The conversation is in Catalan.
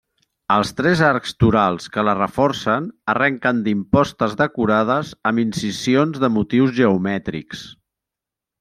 Els tres arcs torals que la reforcen arrenquen d'impostes decorades amb incisions de motius geomètrics.